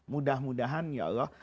mudah mudahan ya allah